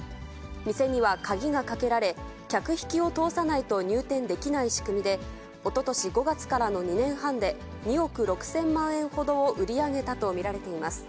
店には鍵がかけられ、客引きを通さないと入店できない仕組みで、おととし５月からの２年半で、２億６０００万円ほどを売り上げたと見られています。